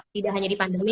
tidak hanya di pandemi